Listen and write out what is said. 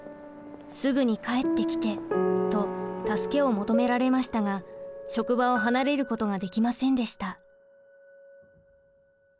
「すぐに帰ってきて」と助けを求められましたが職場を離れることができませんでした。